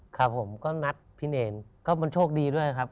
ครับผมก็นัดพี่เนรก็มันโชคดีด้วยครับ